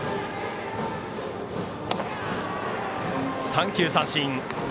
三球三振。